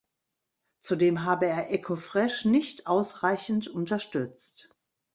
Zudem habe er Eko Fresh nicht ausreichend unterstützt.